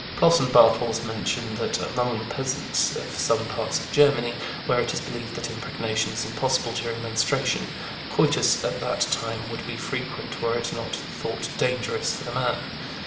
Ploss and Bartels mention that among the peasants in some parts of Germany, where it is believed that impregnation is impossible during menstruation, coitus at that time would be frequent were it not thought dangerous for the man.